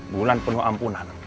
bulan penuh ampunan